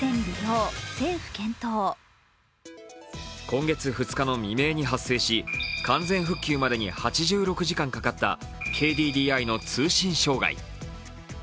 今月２日の未明に発生し、完全復旧までに８６時間かかったＫＤＤＩの通信障害。